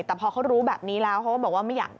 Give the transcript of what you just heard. แต่พอเขารู้แบบนี้แล้วเขาก็บอกว่าไม่อยาก